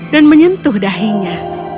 dan menyentuh dahinya